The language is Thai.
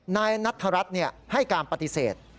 นายนัทธรัฐให้การปฏิเสธ